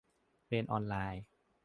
- เรียนออนไลน์